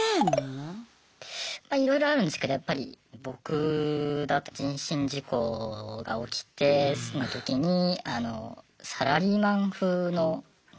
まあいろいろあるんですけどやっぱり僕だと人身事故が起きてその時にあのサラリーマン風の２０代ぐらいですかね